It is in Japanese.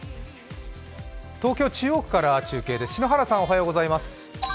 東京・中央区から中継です。